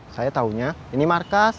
saya tahunya ini markas